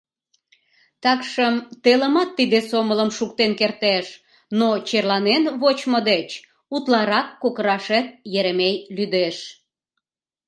Такшым телымат тиде сомылым шуктен кертеш, но черланен вочмо деч утларак кокырашет Еремей лӱдеш.